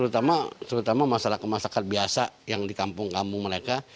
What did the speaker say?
terutama masalah kemasyarakat biasa yang di kampung kampung mereka